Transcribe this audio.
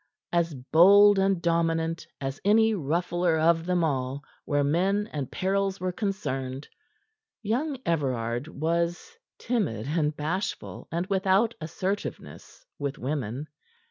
As bold and dominant as any ruffler of them all where men and perils were concerned, young Everard was timid, bashful and without assertiveness with women.